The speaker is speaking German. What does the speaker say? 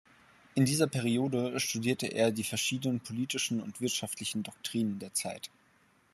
In dieser Periode studierte er die verschiedenen politischen und wirtschaftlichen Doktrinen der Zeit.